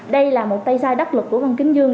đây là một tay sai đắc luật của văn kính dương